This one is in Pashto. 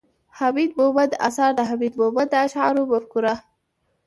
،حميد مومند اثار، د حميد مومند د اشعارو مفکوره